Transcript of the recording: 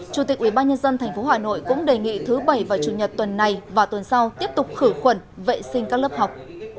chủ tịch ubnd tp hà nội cũng đề nghị thứ bảy vào chủ nhật tuần này và tuần sau tiếp tục khử khuẩn vệ sinh các lớp học